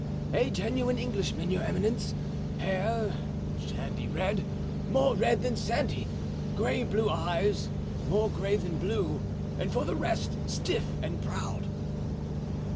"A genuine Englishman, your eminence. Hair sandy red—more red than sandy; gray blue eyes—more gray than blue; and for the rest, stiff and proud."